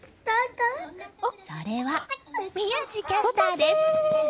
それは、宮司キャスターです。